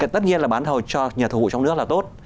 tất nhiên là bán thầu cho nhà thầu vụ trong nước là tốt